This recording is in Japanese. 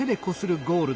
「ゴールド！